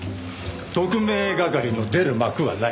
特命係の出る幕はない。